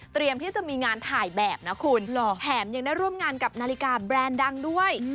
ที่จะมีงานถ่ายแบบนะคุณแถมยังได้ร่วมงานกับนาฬิกาแบรนด์ดังด้วย